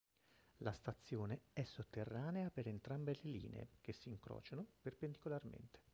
La stazione è sotterranea per entrambe le linee, che si incrociano perpendicolarmente.